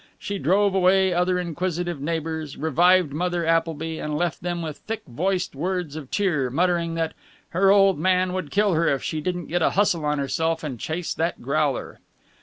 She drove away other inquisitive neighbors, revived Mother Appleby, and left them with thick voiced words of cheer, muttering that "her old man would kill her if she didn't get a hustle on herself and chase that growler."